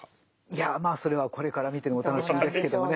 いやまあそれはこれから見てのお楽しみですけどもね。